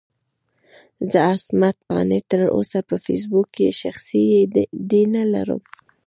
زه عصمت قانع تر اوسه په فېسبوک کې شخصي اې ډي نه لرم.